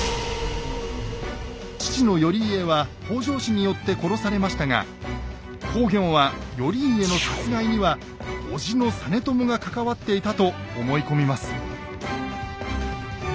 父の頼家は北条氏によって殺されましたが公暁は頼家の殺害には叔父の実朝が関わっていたと思い込みます。